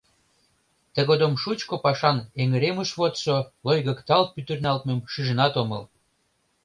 Тыгодым шучко пашан эҥыремышвотшо лойгыкталт пӱтырналтмым шижынат омыл.